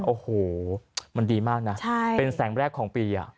โอ้โหมันดีมากนะเป็นแสงแรกของปี